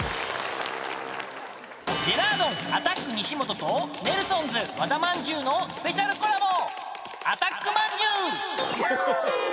［ジェラードンアタック西本とネルソンズ和田まんじゅうのスペシャルコラボ］